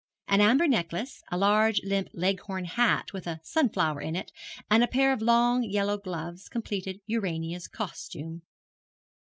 An amber necklace, a large limp Leghorn hat with a sunflower in it, and a pair of long yellow gloves, completed Urania's costume.